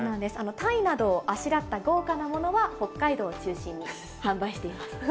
タイなどをあしらった豪華なものは、北海道を中心に販売しています。